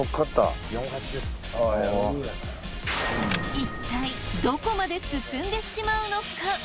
いったいどこまで進んでしまうのか。